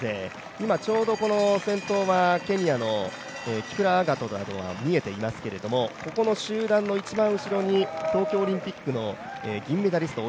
今、ちょうど先頭はケニアのキプラガトなどは見えていますけれどもここの集団の一番後ろに東京オリンピックの銀メダリスト